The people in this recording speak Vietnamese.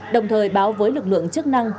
đồng thời báo với lực lượng chức năng